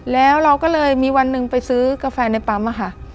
แล้วเราก็เลยมีวันหนึ่งไปซื้อกาแฟในปั๊มค่ะ